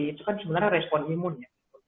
itu kan sebenarnya respon imun ya